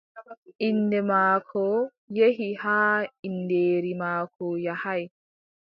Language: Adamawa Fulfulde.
Innde maako yehi har inndeeri maako yahaay.